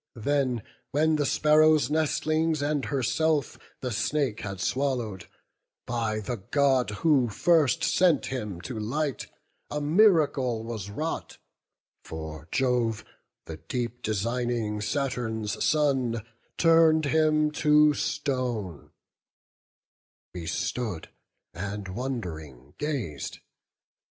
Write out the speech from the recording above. Then, when the sparrow's nestlings and herself The snake had swallowed, by the God, who first Sent him to light, a miracle was wrought: For Jove, the deep designing Saturn's son, Turn'd him to stone; we stood, and wond'ring gaz'd.